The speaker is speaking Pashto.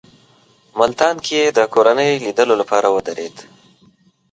ملتان کې یې د کورنۍ لیدلو لپاره ودرېد.